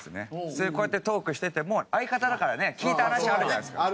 普通にこうやってトークしてても相方だからね聞いた話あるじゃないですか。